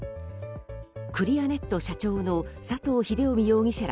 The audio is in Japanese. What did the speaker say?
クリアネット社長の佐藤秀臣容疑者ら